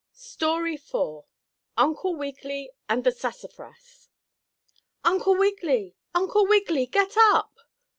STORY IV UNCLE WIGGILY AND THE SASSAFRAS "Uncle Wiggily! Uncle Wiggily! Get up!"